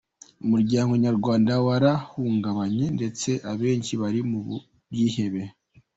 Umuryango nyarwanda warahungabanye ndetse abenshi bali mu bwihebe.